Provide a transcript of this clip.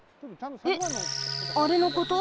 えっあれのこと？